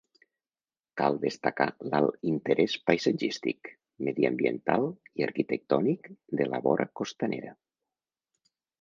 Cal destacar l'alt interès paisatgístic, mediambiental i arquitectònic de la vora costanera.